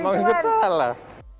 maaf aku juga mau ke salah